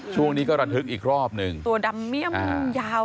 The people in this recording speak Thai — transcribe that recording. ช่วงนี้ก็ระทึกอีกรอบหนึ่งตัวดำเมี่ยมยาว